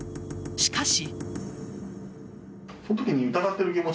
しかし。